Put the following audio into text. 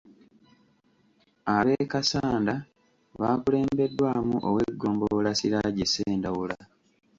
Ab’e Kassanda baakulembeddwamu ow’eggombolola Siraje Ssendawula.